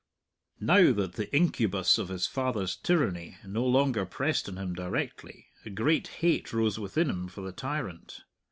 Now that the incubus of his father's tyranny no longer pressed on him directly, a great hate rose within him for the tyrant.